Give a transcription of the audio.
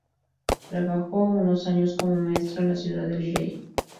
Trabajó unos años como maestro en la ciudad de Liberia.